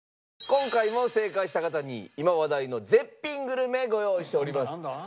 今回も正解した方に今話題の絶品グルメご用意しております。